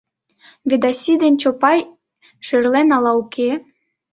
Ведаси деч Чопан шӧрлен але уке?